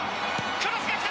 クロスが来た！